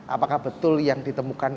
apakah betul yang ditemukan